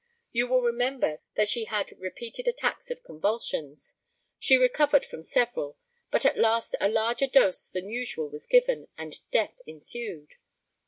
You will remember that she had repeated attacks of convulsions. She recovered from several, but at last a larger dose than usual was given, and death ensued.